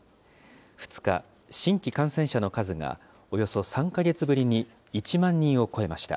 ２日、新規感染者の数がおよそ３か月ぶりに１万人を超えました。